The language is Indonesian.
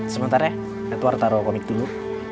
sebentar ya edward taruh komik dulu